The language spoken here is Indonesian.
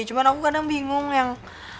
cuma aku kadang bingung yang